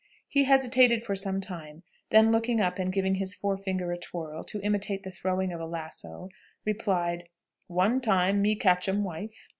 He hesitated for some time; then looking up and giving his forefinger a twirl, to imitate the throwing of a lasso, replied, "One time me catch 'um wife.